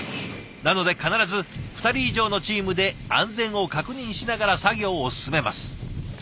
なので必ず２人以上のチームで安全を確認しながら作業を進めます。